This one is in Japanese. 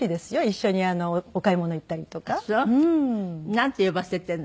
なんて呼ばせているの？